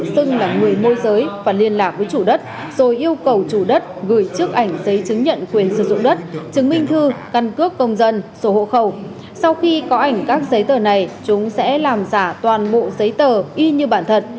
sau khi có ảnh các giấy tờ này chúng sẽ làm giả toàn bộ giấy tờ y như bản thật